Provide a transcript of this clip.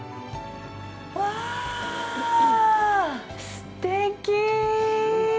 わあ、すてき！